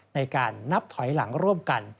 ในการนับถอยหลังร่วมกัน